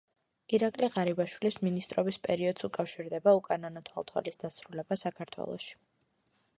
ირაკლი ღარიბაშვილის მინისტრობის პერიოდს უკავშირდება უკანონო თვალთვალის დასრულება საქართველოში.